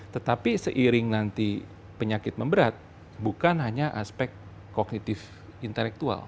tetapi seiring nanti penyakit memberat bukan hanya aspek kognitif intelektual